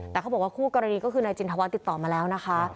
แต่เขาบอกว่าคู่กรณีก็คือนายจินทวัฒน์ติดต่อมาแล้วนะคะ